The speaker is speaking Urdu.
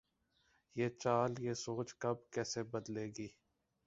یہ چال، یہ سوچ کب‘ کیسے بدلے گی؟